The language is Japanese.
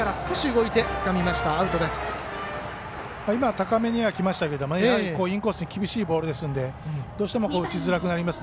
高めにはきましたがインコースに厳しいボールなのでどうしても打ちづらくなりますね。